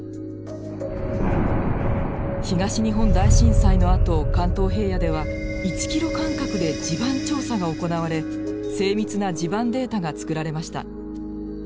東日本大震災のあと関東平野では１ｋｍ間隔で地盤調査が行われ精密な地盤データが作られました。